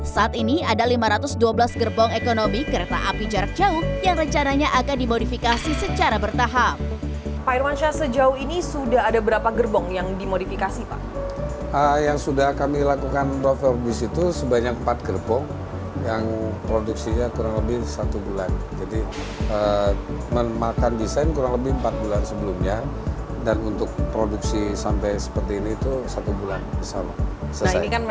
saat ini ada lima ratus dua belas gerbong ekonomi kereta api jarak jauh yang rencananya akan dimodifikasi secara bertahap